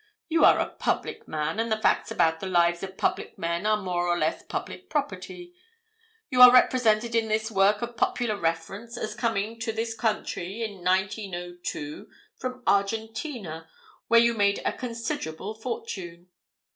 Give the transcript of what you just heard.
You are a public man, and the facts about the lives of public men are more or less public property. You are represented in this work of popular reference as coming to this country in 1902, from Argentina, where you made a considerable fortune.